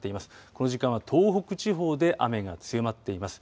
この時間は東北地方で雨が強まっています。